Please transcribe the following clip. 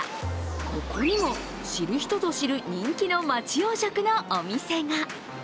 ここにも知る人ぞ知る、人気の町洋食のお店が。